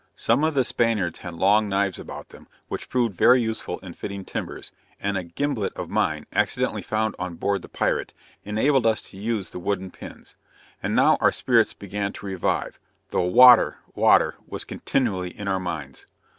Some of the Spaniards had long knives about them, which proved very useful in fitting timbers, and a gimblet of mine, accidentally found on board the pirate, enabled us to use the wooden pins. And now our spirits began to revive, though water, water, was continually in our minds.